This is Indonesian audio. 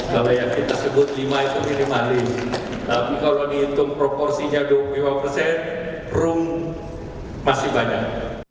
kalau yang kita sebut lima itu minimal tapi kalau dihitung proporsinya dua puluh lima persen room masih banyak